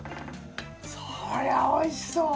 それおいしそう！